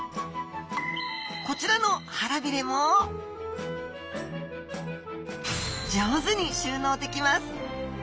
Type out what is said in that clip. こちらの腹びれも上手に収納できます。